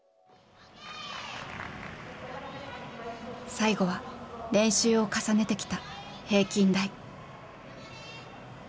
最後は練習を重ねてきた平均台。